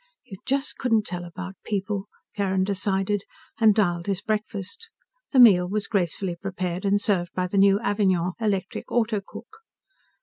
You just couldn't tell about people, Carrin decided, and dialed his breakfast. The meal was gracefully prepared and served by the new Avignon Electric Auto cook.